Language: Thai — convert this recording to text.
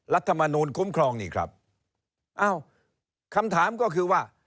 รัฐมนูลคุ้มครองนี่ครับอ้าวคำถามก็คือว่า